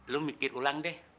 lu mikir ulang deh